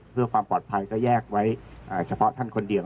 เพื่อความปลอดภัยก็แยกไว้เฉพาะท่านคนเดียว